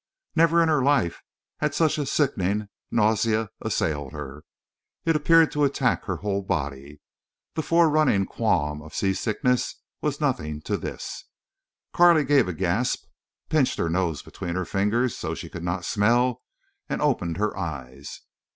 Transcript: Never in her life had such a sickening nausea assailed her. It appeared to attack her whole body. The forerunning qualm of seasickness was as nothing to this. Carley gave a gasp, pinched her nose between her fingers so she could not smell, and opened her eyes.